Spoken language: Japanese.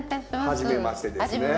はじめましてですね。